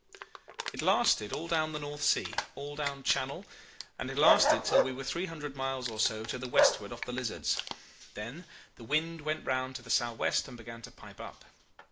"It lasted all down the North Sea, all down Channel; and it lasted till we were three hundred miles or so to the westward of the Lizards: then the wind went round to the sou'west and began to pipe up.